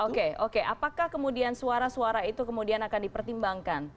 oke oke apakah kemudian suara suara itu kemudian akan dipertimbangkan